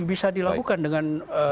bisa dilakukan dengan